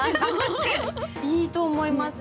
いいと思います。